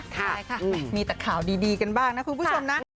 ใช่ค่ะมีแต่ข่าวดีกันบ้างนะคุณผู้ชมนะ